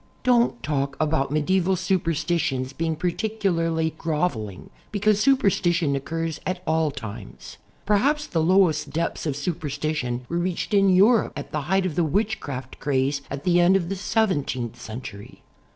Don't talk about medieval superstitions being par ticularly "groveling," because superstition occurs at all times. Probably the lowest depths of superstition were reached in Europe at the height of the witchcraft craze at the end of the seventeenth century.